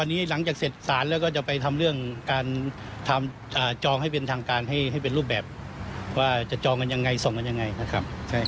ตอนนี้หลังจากเสร็จสารแล้วก็จะไปทำเรื่องการทำจองให้เป็นทางการให้เป็นรูปแบบว่าจะจองกันยังไงส่งกันยังไงนะครับ